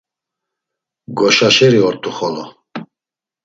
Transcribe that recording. Goşaşeri ort̆u xolo.